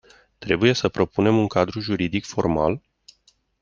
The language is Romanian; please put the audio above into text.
Trebuie să propunem un cadru juridic formal?